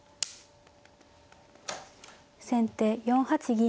先手４八銀。